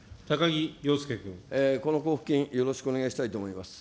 この交付金、よろしくお願いしたいと思います。